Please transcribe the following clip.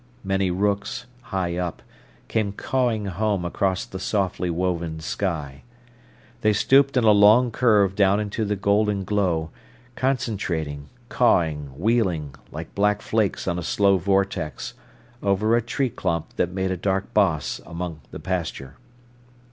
Many rooks, high up, came cawing home across the softly woven sky. They stooped in a long curve down into the golden glow, concentrating, cawing, wheeling, like black flakes on a slow vortex, over a tree clump that made a dark boss among the pasture.